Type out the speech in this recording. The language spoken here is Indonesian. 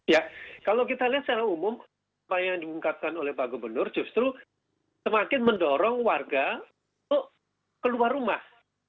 ya kalau kita lihat secara umum apa yang diungkapkan oleh pak gubernur justru semakin mendorong warga untuk keluar rumah